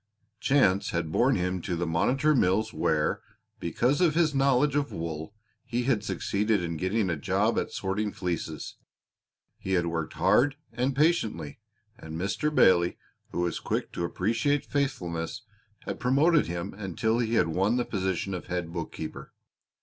Chance had borne him to the Monitor Mills where, because of his knowledge of wool, he had succeeded in getting a job at sorting fleeces. He had worked hard and patiently, and Mr. Bailey, who was quick to appreciate faithfulness, had promoted him until he had won the position of head bookkeeper.